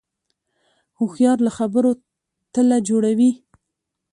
هوښیار له خبرو تله جوړوي